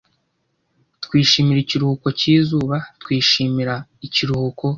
twishimira ikiruhuko cyizuba twishimira ikiruhuko